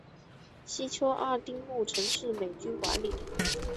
西丘二丁目曾是美军管理的。